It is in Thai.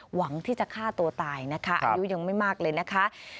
หวังที่จะฆ่าตัวตายนะคะอายุยังไม่มากเลยนะคะ